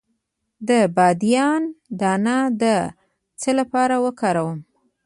د بادیان دانه د څه لپاره وکاروم؟